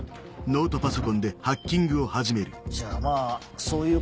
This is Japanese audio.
じゃあまぁそういうことで。